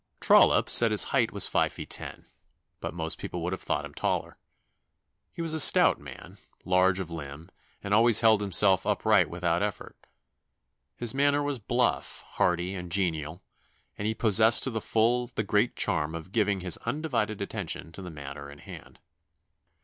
] "Trollope said his height was five feet ten, but most people would have thought him taller. He was a stout man, large of limb, and always held himself upright without effort. His manner was bluff, hearty, and genial, and he possessed to the full the great charm of giving his undivided attention to the matter in hand.